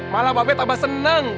malah mba be tambah seneng